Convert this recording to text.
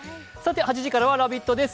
８時からは「ラヴィット！」です